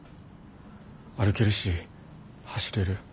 歩けるし走れる。